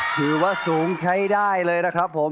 ถือว่าสูงใช้ได้เลยนะครับผม